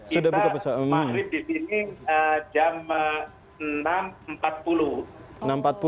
sudah kita mahrif di sini jam enam empat puluh